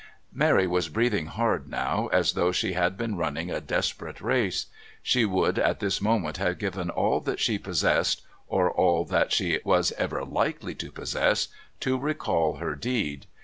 Mary was breathing hard now, as though she had been running a desperate race. She would at this moment have given all that she possessed, or all that she was ever likely to possess, to recall her deed.